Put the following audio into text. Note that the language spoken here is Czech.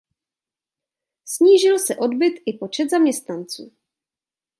Snížil se odbyt i počet zaměstnanců.